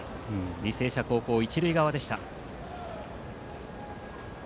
履正社高校、一塁側でした。